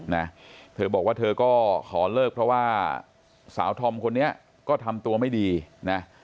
นะเธอบอกว่าเธอก็ขอเลิกเพราะว่าสาวธอมคนนี้ก็ทำตัวไม่ดีนะ